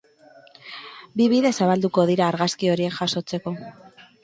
Bi bide zabalduko dira argazki horiek jasotzeko.